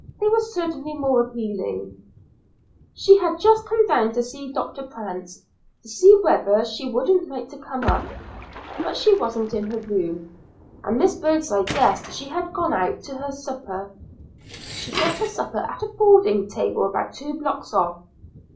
they were certainly more appealing. She had just come down to see Doctor Prance to see whether she wouldn't like to come up. But she wasn't in her room, and Miss Birdseye guessed she had gone out to her supper; she got her supper at a boarding table about two blocks off.